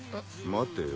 待てよ。